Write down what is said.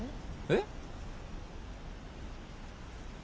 えっ？